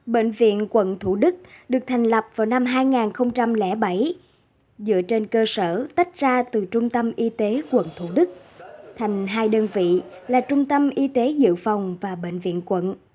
bệnh viện quận thủ đức được thành lập vào năm hai nghìn bảy dựa trên cơ sở tách ra từ trung tâm y tế quận thủ đức thành hai đơn vị là trung tâm y tế dự phòng và bệnh viện quận